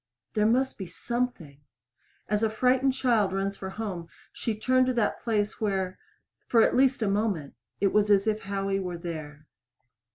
There must be something. As a frightened child runs for home, she turned to that place where for at least a moment it was as if Howie were there.